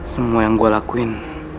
semua yang gue lakuin